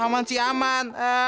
aman sih aman